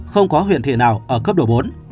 không có huyện thị nào ở cấp độ bốn